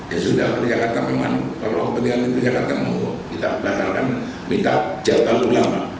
ya sudah di jakarta memang kalau kebetulan di jakarta kita bakal kan minta jatuh ulama